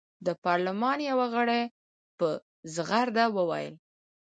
د پارلمان یوه غړي په زغرده وویل.